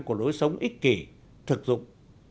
của lối sống ích kỷ thực dụng